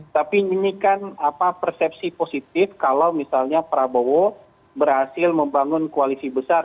tapi ini kan persepsi positif kalau misalnya prabowo berhasil membangun koalisi besar